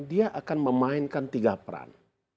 dia akan memainkan tiga peran